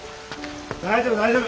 大丈夫大丈夫。